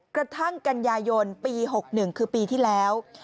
กระทั่งกันยายนปี๖๑คือปีที่แล้ว